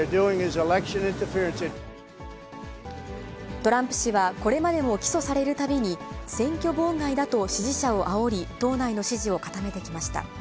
トランプ氏はこれまでも起訴されるたびに、選挙妨害だと支持者をあおり、党内の支持を固めてきました。